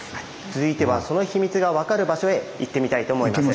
続いてはその秘密が分かる場所へ行ってみたいと思います。